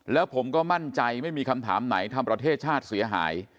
แล้วผมก็มั่นใจไม่มีคำถามไหนทำประเทศชาติเสียหาย